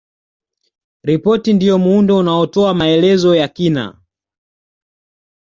Ripoti ndiyo muundo unaotoa maelezo ya kina